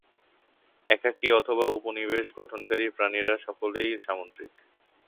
একাকী অথবা উপনিবেশ গঠনকারী প্রাণীরা সকলেই সামুদ্রিক।